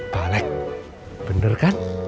pak alex bener kan